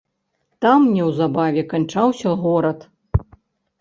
Там неўзабаве канчаўся горад.